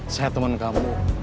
saya teman kamu